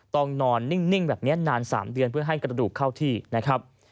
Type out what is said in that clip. ต้องนอนนิ่งแบบนี้นาน๓เดือนเพื่อให้กระดูกเข้าที่นะครับ